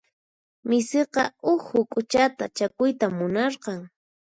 Misiqa huk huk'uchata chakuyta munarqan.